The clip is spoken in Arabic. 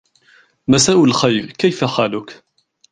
مساء الخير ، كيف حالك ؟